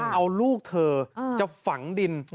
เอาลูกเธอจะฝังดิน